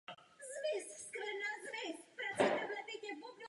Tato republika je uznána pouze Tureckem.